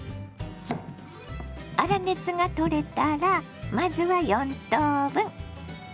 粗熱がとれたらまずは４等分。